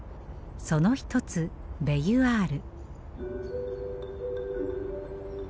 その一つベユアール。